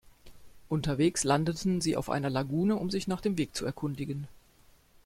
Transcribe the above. Unterwegs landeten sie auf einer Lagune, um sich nach dem Weg zu erkundigen.